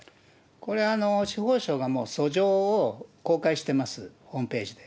これ、司法相が訴状を公開してます、ホームページで。